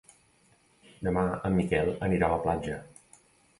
Demà en Miquel anirà a la platja.